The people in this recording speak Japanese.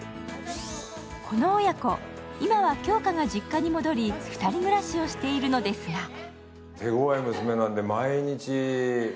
この親子、今は杏花が実家に戻り２人暮らしをしているのですが。